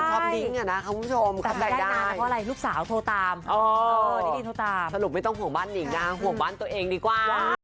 แต่ได้งานเพราะอะไรลูกสาวโทรตามสรุปไม่ต้องห่วงบ้านหนิงห่วงบ้านตัวเองดีกว่า